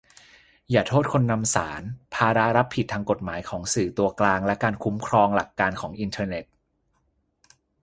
อย่าโทษคนนำสาร : ภาระรับผิดทางกฎหมายของสื่อตัวกลางและการคุ้มครองหลักการของอินเทอร์เน็ต